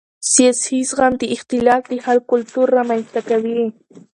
سیاسي زغم د اختلاف د حل کلتور رامنځته کوي